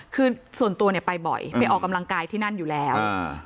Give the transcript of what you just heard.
คือส่วนตัวเนี่ยไปบ่อยไปออกกำลังกายที่นั่นอยู่แล้วอ่า